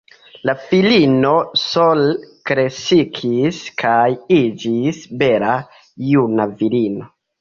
La filino sole kreskis kaj iĝis bela juna virino.